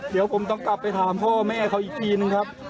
เดี๋ยวผมต้องกลับไปถามพ่อแม่เขาอีกทีนึงครับ